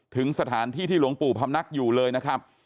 ถึงสถานที่ที่หลวงปู่พำนักอยู่เลยนะครับ